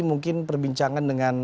mungkin perbincangan dengan